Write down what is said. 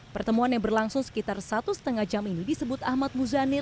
pertemuan yang berlangsung sekitar satu lima jam ini disebut ahmad muzani